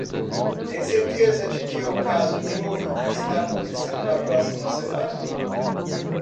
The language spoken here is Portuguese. Tem certeza de que o caso Joe está acontecendo na próxima semana?